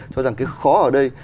cho rằng cái khó ở đây